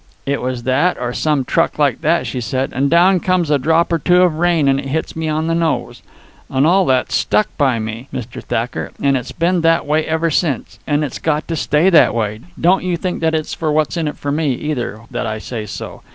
It was that, or some truck like that, she said. And down comes a drop or two of rain and hits me on the nose. And all that stuck by me, Mr. Thacker. And it's been that way ever since. And it's got to stay that way. Don't you think that it's for what's in it for me, either, that I say so.